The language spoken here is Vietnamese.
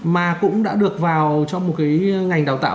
mà cũng đã được vào trong một cái ngành đào tạo